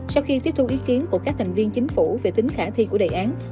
sau khi tiếp thu ý kiến của các thành viên chính phủ về tính khả thi của đề án